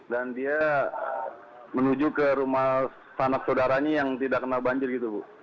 dan dia menuju ke rumah anak saudaranya yang tidak kena banjir gitu bu